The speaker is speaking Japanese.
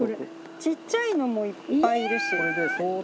ちっちゃいのもいっぱいいるし。